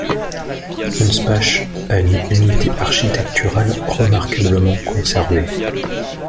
Hunspach a une unité architecturale remarquablement conservée.